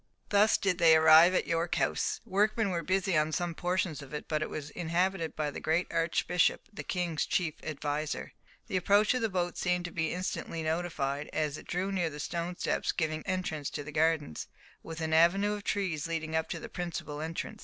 Thus did they arrive at York House. Workmen were busy on some portions of it, but it was inhabited by the great Archbishop, the king's chief adviser. The approach of the boat seemed to be instantly notified, as it drew near the stone steps giving entrance to the gardens, with an avenue of trees leading up to the principal entrance.